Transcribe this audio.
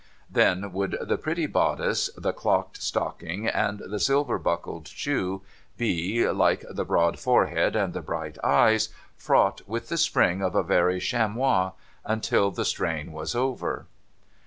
' Then would the pretty bodice, the clocked stocking, and the silver buckled shoe be, like the broad forehead and the bright eyes, fraught with the spring of a very chamois, until the strain was over.